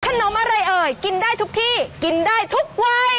ขนมอะไรเอ่ยกินได้ทุกที่กินได้ทุกวัย